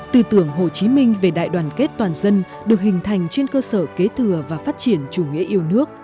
tư tưởng hồ chí minh về đại đoàn kết toàn dân được hình thành trên cơ sở kế thừa và phát triển chủ nghĩa yêu nước